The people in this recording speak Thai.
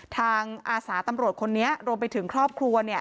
อาสาตำรวจคนนี้รวมไปถึงครอบครัว